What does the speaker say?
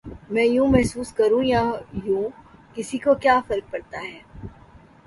میں یوں محسوس کروں یا یوں، کسی کو کیا فرق پڑتا ہے؟